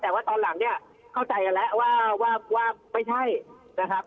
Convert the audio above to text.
แต่ว่าตอนหลังเนี่ยเข้าใจกันแล้วว่าไม่ใช่นะครับ